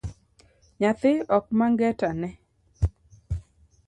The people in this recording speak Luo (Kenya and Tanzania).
Nyathi ok ma ngeta ne